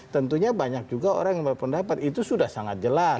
tentunya banyak juga orang yang berpendapat itu sudah sangat jelas